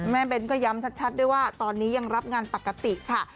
แม่เบ้นท์ก็ย้ำชัดว่าตอนนี้ยังรับงานปกติค่ะ